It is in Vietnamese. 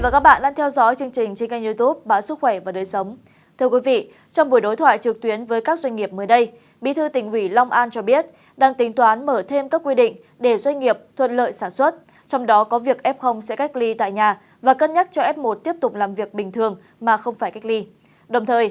các bạn hãy đăng ký kênh để ủng hộ kênh của chúng mình nhé